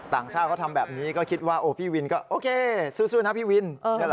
ต่างชาติเขาทำแบบนี้ก็คิดว่าโอ้พี่วินก็โอเคสู้นะพี่วิน